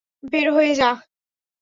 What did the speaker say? বের হয়ে যা!